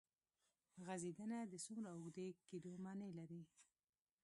غځېدنه د څومره اوږدې کېدو معنی لري.